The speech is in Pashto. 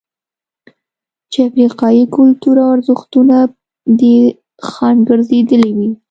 چې افریقايي کلتور او ارزښتونه دې خنډ ګرځېدلي وي.